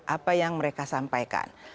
apa yang mereka sampaikan